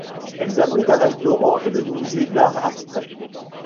Elles abritent un restaurant et le musée d'art abstrait.